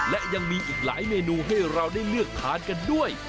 และยังมีอีกหลายเมนูให้เราได้เลือกทานกันด้วย